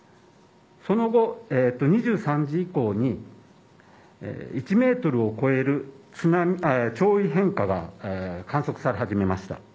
その後、２３時以降に１メートルを超える潮位変化が観測され始めました。